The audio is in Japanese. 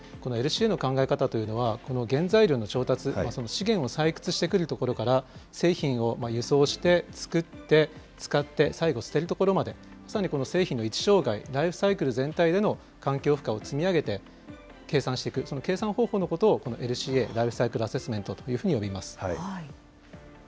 このＬＣＡの考え方というのは、この原材料の調達、その資源を採掘してくるところから製品を輸送して、作って、使って、最後捨てるところまで、さらにこの製品の一生涯、ライフサイクル全体での環境負荷を積み上げて計算していく、その計算方法のことをこのＬＣＡ・ライフサイクルアセスメントというふうに呼びます。